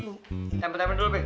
nih temen temen dulu be